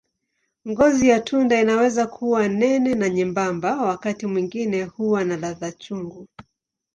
Ngozi ya tunda inaweza kuwa nene au nyembamba, wakati mwingine huwa na ladha chungu.